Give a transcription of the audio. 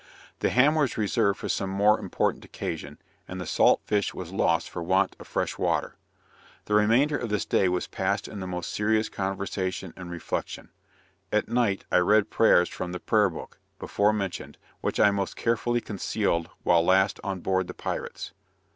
The ham was reserved for some more important occasion, and the salt fish was lost for want of fresh water. The remainder of this day was passed in the most serious conversation and reflection. At night, I read prayers from the "Prayer Book," before mentioned, which I most carefully concealed while last on board the pirates.